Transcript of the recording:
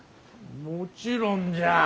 もちろんじゃ。